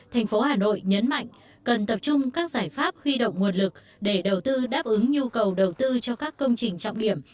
thành phố hà nội nhấn mạnh cần tập trung các giải pháp huy động nguồn lực để đầu tư đáp ứng nhu cầu đầu tư cho các công trình trọng điểm